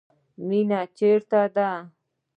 مینه چیرته ده؟